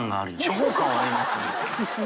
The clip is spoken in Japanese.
処方感はありますね。